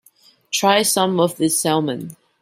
Try some of this salmon.